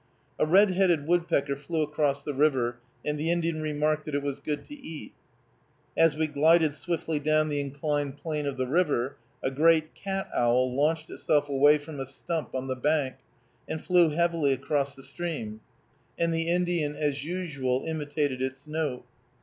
A red headed woodpecker flew across the river, and the Indian remarked that it was good to eat. As we glided swiftly down the inclined plane of the river, a great cat owl launched itself away from a stump on the bank, and flew heavily across the stream, and the Indian, as usual, imitated its note.